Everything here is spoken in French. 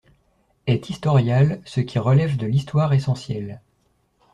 Est historial, ce qui relève de l'histoire essentielle.